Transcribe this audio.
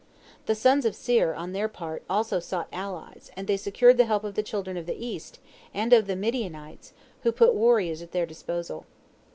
The sons of Seir, on their part, also sought allies, and they secured the help of the children of the East, and of the Midianites, who put warriors at their disposal.